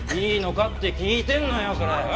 いいのかって聞いてんのよそれ。